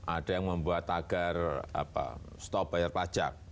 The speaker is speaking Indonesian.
ada yang membuat tagar stop bayar pajak